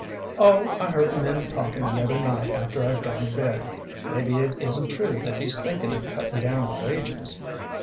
"Oh, I heard the men talking the other night after I'd gone to bed. Maybe it isn't true that he's thinking of cutting down the wages."